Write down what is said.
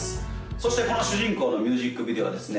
そしてこの「主人公」のミュージックビデオはですね